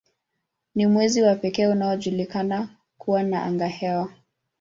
Ni mwezi wa pekee unaojulikana kuwa na angahewa.